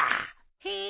へえ。